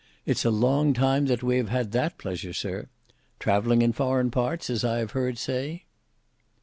It's a long time that we have had that pleasure, sir. Travelling in foreign parts, as I have heard say?"